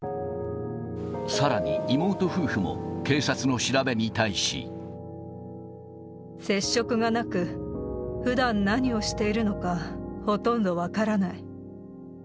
さらに、妹夫婦も警察の調べ接触がなく、ふだん何をしているのか、ほとんど分からない。